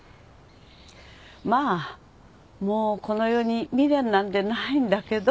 まあもうこの世に未練なんてないんだけど。